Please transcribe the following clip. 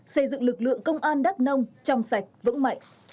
xây dựng lực lượng công an đắk nông trong sạch vững mạnh